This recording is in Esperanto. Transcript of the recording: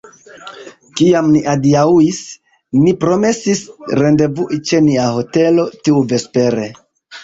Kiam ni adiaŭis, ni promesis rendevui ĉe nia hotelo tiuvespere.